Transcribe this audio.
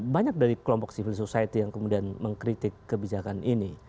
banyak dari kelompok civil society yang kemudian mengkritik kebijakan ini